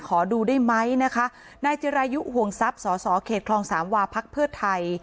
ขอดูได้ไหมนะคะนายเจรยุหวงซับสสเขตคลองสามวาพพไทย